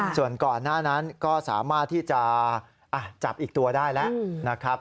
ส่วนก่อนหน้านั้นก็สามารถที่จะจับอีกตัวได้แล้วนะครับ